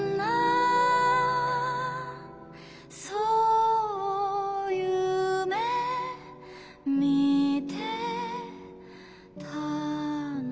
「そう夢みてたの」